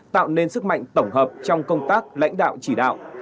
tạo nên sức mạnh tổng hợp trong công tác lãnh đạo chỉ đạo